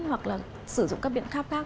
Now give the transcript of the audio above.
hoặc là sử dụng các biện khác khác